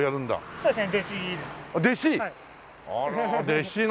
そうですね。